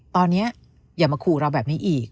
ตอนนี้อย่ามาขู่เราแบบนี้อีก